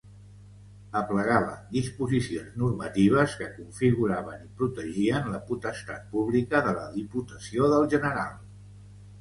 Aplegava disposicions normatives que configuraven i protegien la potestat pública de la Diputació del General.